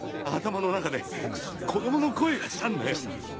頭の中で子供の声がしたんだよ。